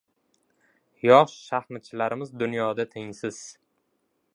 Yosh shaxmatchilarimiz dunyoda tengsiz!